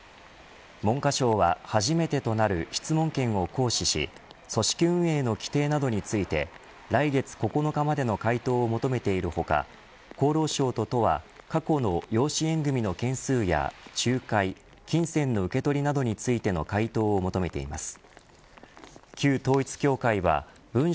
文科省は初めてとなる質問権を行使し組織運営の規定などについて来月９日までの回答を求めている他厚労省と都は、過去の養子縁組の件数や仲介金銭の受け取りなどについての回答を求めています。